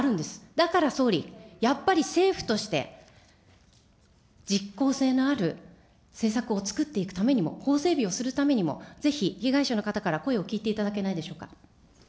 だから総理、やっぱり政府として、実効性のある政策を作っていくためにも、法整備をするためにも、ぜひ被害者の方から声を聞いていただけないでしょうか。